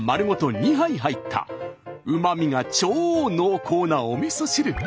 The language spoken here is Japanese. ２杯入ったうまみが超濃厚なおみそ汁。